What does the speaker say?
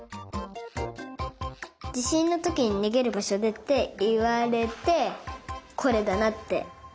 じしんのときににげるばしょでっていわれてこれだなって。